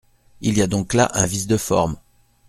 Il y a donc là un vice de forme.